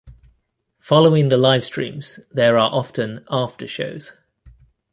Following the live streams, there are often "after shows".